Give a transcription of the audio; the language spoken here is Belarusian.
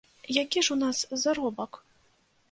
Які ж у нас заробак?